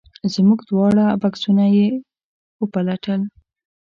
زموږ دواړه بکسونه یې وپلټل.